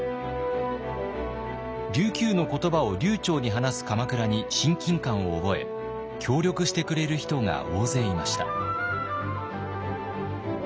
琉球の言葉を流ちょうに話す鎌倉に親近感を覚え協力してくれる人が大勢いました。